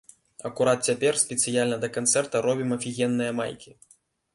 Акурат цяпер спецыяльна да канцэрта робім афігенныя майкі.